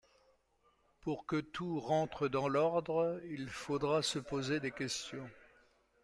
Pour que tout rentre dans l'ordre, il faudra se poser des questions...